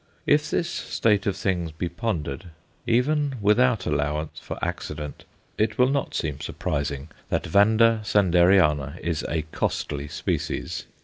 If this state of things be pondered, even without allowance for accident, it will not seem surprising that V. Sanderiana is a costly species.